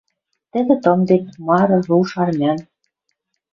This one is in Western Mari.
Тӹдӹ тымден: мары, руш, армян —